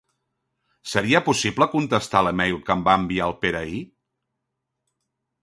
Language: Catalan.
Seria possible contestar l'e-mail que em va enviar el Pere ahir?